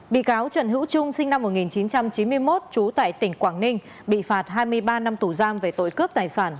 bị cáo trần hữu trung sinh năm một nghìn chín trăm chín mươi một trú tại tỉnh quảng ninh bị phạt hai mươi ba năm tù giam về tội cướp tài sản